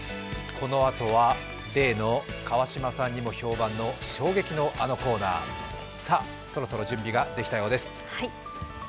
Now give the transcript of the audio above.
このあとは例の川島にも評判の衝撃のあのコーナー、そろそろ準備ができたようです。